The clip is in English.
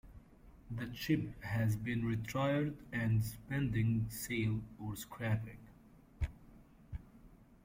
The ship has been retired and is pending sale or scrapping.